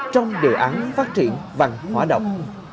trong đề án phát triển văn hóa động